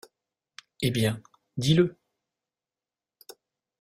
Eh bien, dis-le !